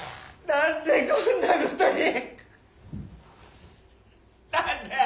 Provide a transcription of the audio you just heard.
何でこんなことに。